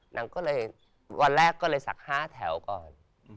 นางก็เลยวันแรกก็เลยสัก๕แถวก่อน